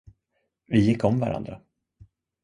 Vi gick om varandra.